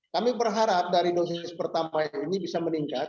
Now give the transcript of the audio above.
kami berharap dari dosis pertama ini bisa meningkat